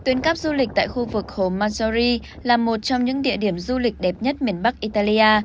tuyến cắp du lịch tại khu vực hồ majuri là một trong những địa điểm du lịch đẹp nhất miền bắc italia